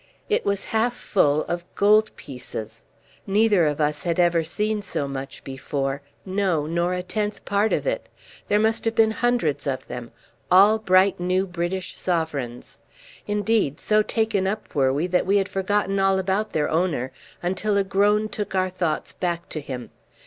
It was half full of gold pieces. Neither of us had ever seen so much before no, nor a tenth part of it. There must have been hundreds of them, all bright new British sovereigns. Indeed, so taken up were we that we had forgotten all about their owner until a groan took our thoughts back to him.